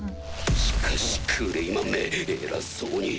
しかしクレイマンめ偉そうに。